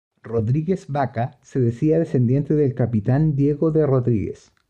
Rodríguez Baca, se decía descendiente del capitán Diego de Rodríguez.